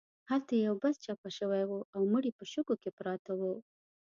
هلته یو بس چپه شوی و او مړي په شګو کې پراته وو.